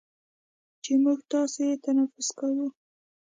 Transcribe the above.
چې موږ تاسې یې تنفس کوو،